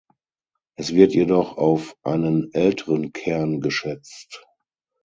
Es wird jedoch auf einen älteren Kern geschätzt.